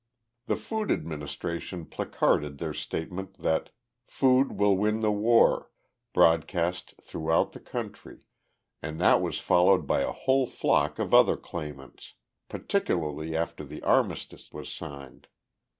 "The Food Administration placarded their statement that 'Food Will Win the War' broadcast throughout the country, and that was followed by a whole flock of other claimants, particularly after the armistice was signed.